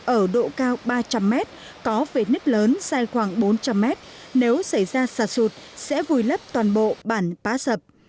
ở độ cao ba trăm linh m có vệt nứt lớn dài khoảng bốn trăm linh mét nếu xảy ra sạt sụt sẽ vùi lấp toàn bộ bản pá sập